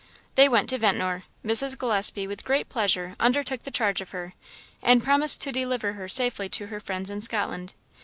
They went to Ventnor. Mrs. Gillespie with great pleasure undertook the charge of her, and promised to deliver her safely to her friends in Scotland.